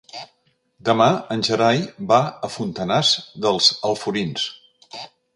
Demà en Gerai va a Fontanars dels Alforins.